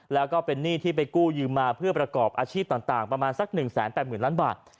แล้วก็เป็นหนี้ที่ไปกู้ยืมมาเพื่อประกอบอาชีพต่างประมาณสัก๑๘๐๐๐ล้านบาท